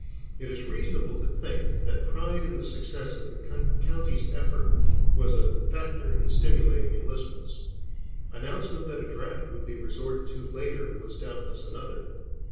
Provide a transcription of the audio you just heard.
It is reasonable to think that pride in the success of the county's effort was a factor in stimulating enlistments; announcement that a draft would be resorted to later was doubtless another.